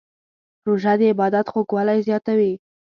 روژه د عبادت خوږوالی زیاتوي.